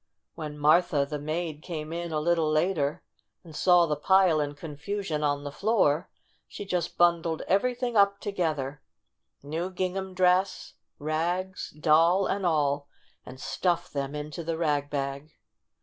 When Martha, the maid, came in a little later and saw the pile in confusion on the floor, she just bundled everything up to gether — new gingham dress, rags, Doll, and all — and stuffed them into the rag bag.